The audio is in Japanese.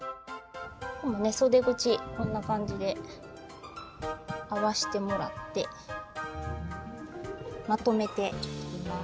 そで口こんな感じで合わしてもらってまとめて切ります。